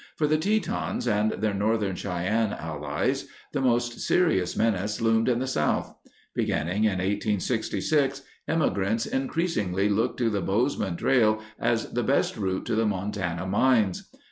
For the Tetons and their Northern Cheyenne allies, the most serious menace loomed in the south. Beginning in 1866, emigrants increasingly looked to the Bozeman Trail as the best route to the Montana mines.